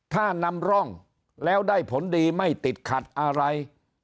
ถ้านำร่องแล้วได้ผลดีไม่ติดขัดอะไร